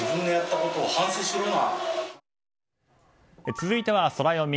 ⁉続いては、ソラよみ。